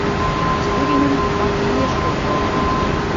Студеньым тудлан ынеж колто ыле.